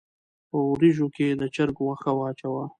په وريژو کښې د چرګ غوښه واچوه